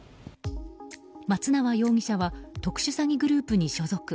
松縄容疑者は特殊詐欺グループに所属。